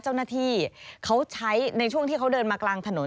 เจ้าหน้าที่เขาใช้ในช่วงที่เขาเดินมากลางถนน